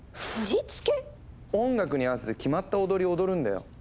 音楽に合わせて決まった踊りを踊るんだよ。